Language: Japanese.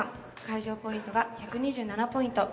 会場ポイントが１２７ポイント」